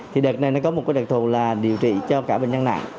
thì đợt này nó có một cái đặc thù là điều trị cho cả bệnh nhân nặng